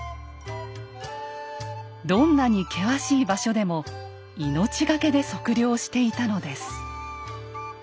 どんなに険しい場所でも命懸けで測量していたのです。